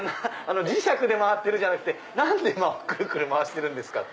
磁石で回ってるじゃなくて何で回してるんですか？